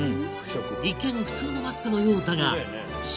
一見普通のマスクのようだが普通だよね